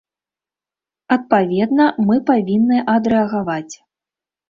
Адпаведна мы павінны адрэагаваць.